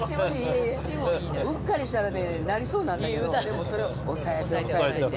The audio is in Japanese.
うっかりしたらねなりそうなんだけどでもそれを抑えて抑えて。